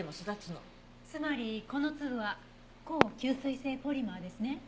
つまりこの粒は高吸水性ポリマーですね。